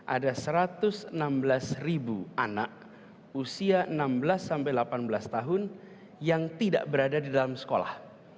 ada satu ratus enam belas ribu anak usia enam belas sampai delapan belas tahun yang tidak berada di dalam sekolah